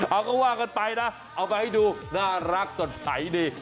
เอาก็ว่ากันไปนะเอาไปให้ดูน่ารักสดใสดี